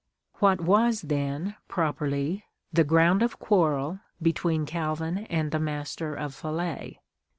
What was then, properl}' , the ground of quarrel between Calvin and the Master of Falais